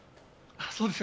そうですね。